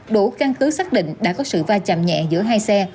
đủ căn cứ xác định đã có sự va chạm nhẹ giữa hai xe